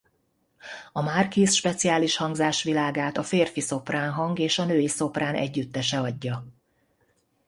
A Marquise speciális hangzásvilágát a férfi szoprán hang és a női szoprán együttese adja.